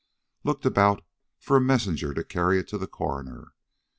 looked about for a messenger to carry it to the coroner.